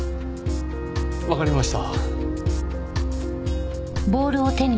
わかりました。